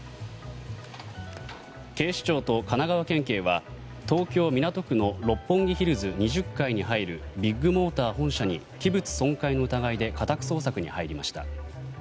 警視庁と神奈川県警は東京・港区の六本木ヒルズ２０階に入るビッグモーター本社に器物損壊の疑いで家宅捜索に入りました。